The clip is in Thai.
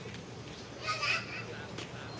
สวัสดีครับทุกคน